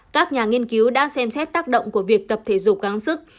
các nhà nghiên cứu đã xem xét tác động của việc tập thể dục gắn sức